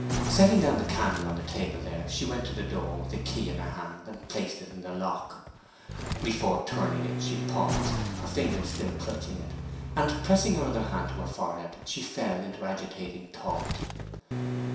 Setting down the candle on the table here, she went to the door with the key in her hand, and placed it in the lock. Before turning it she paused, her fingers still clutching it; and pressing her other hand to her forehead, she fell into agitating thought.